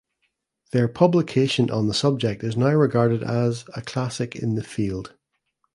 Their publication on the subject is now regarded as "a classic in the field".